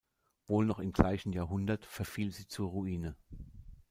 Wohl noch im gleichen Jahrhundert verfiel sie zur Ruine.